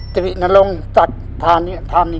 จินรงค์จัดทางนี้